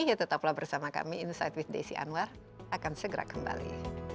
ya tetaplah bersama kami insight with desi anwar akan segera kembali